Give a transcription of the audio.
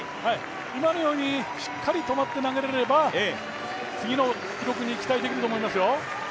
今のようにしっかり止まって投げてくれば次の記録に期待できると思いますよ。